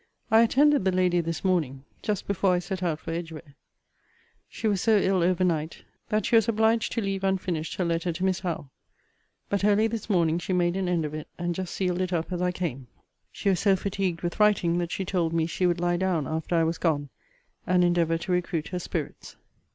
I attended the lady this morning, just before I set out for Edgware. She was so ill over night, that she was obliged to leave unfinished her letter to Miss Howe. But early this morning she made an end of it, and just sealed it up as I came. She was so fatigued with writing, that she told me she would lie down after I was gone, and endeavour to recruit her spirits.